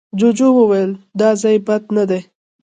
جوجو وويل، دا ځای بد نه دی.